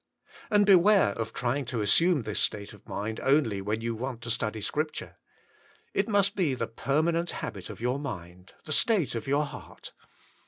And beware of trying to assume this state of mind only when you want to study Scripture. It must be the permanent habit of your mind, the state of your heart.